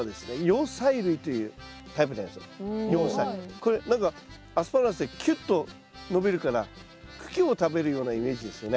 これアスパラガスってキュッと伸びるから茎を食べるようなイメージですよね。